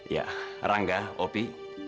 ya rangga opi